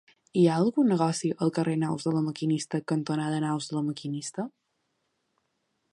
Hi ha algun negoci al carrer Naus de La Maquinista cantonada Naus de La Maquinista?